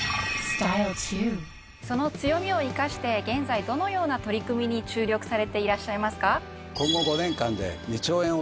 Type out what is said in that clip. その強みを生かして現在どのような取り組みに注力されていらっしゃいますか？